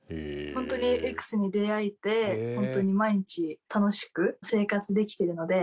本当にＸに出会えて本当に毎日楽しく生活できてるので。